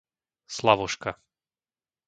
Slavoška